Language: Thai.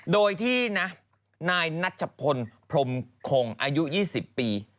โดยที่นะนายนัชพลพรมคงอายุ๒๐ปี